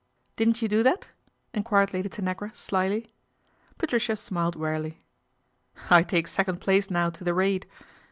" Didn't you do that ?" enquired Lady Tanagra slily. Patricia smiled wearily. " I take second place now to the raid.